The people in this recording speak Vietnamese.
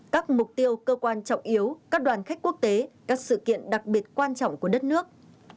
các mục tiêu cơ quan trọng yếu các đoàn khách quốc tế các sự kiện đặc biệt quan trọng của đất nước